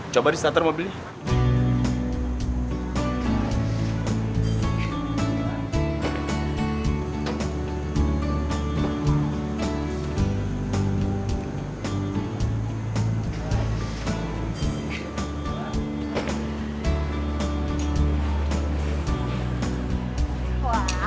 coba di starter mobilnya